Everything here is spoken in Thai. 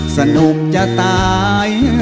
สนุกจะตาย